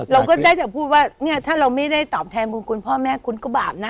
เราก็ได้แต่พูดว่าเนี่ยถ้าเราไม่ได้ตอบแทนบุญคุณพ่อแม่คุณก็บาปนะ